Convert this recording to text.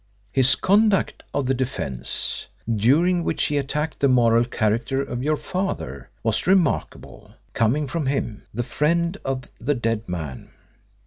His conduct of the defence, during which he attacked the moral character of your father, was remarkable, coming from him the friend of the dead man.